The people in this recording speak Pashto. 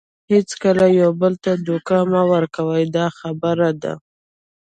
هیڅکله یو بل ته دوکه مه ورکوئ دا خبره ده.